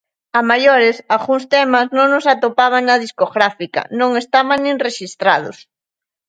A maiores, algúns temas non os atopaban na discográfica, non estaban nin rexistrados.